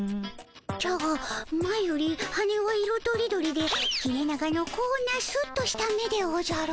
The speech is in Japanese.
じゃが前より羽は色とりどりで切れ長のこんなスッとした目でおじゃる。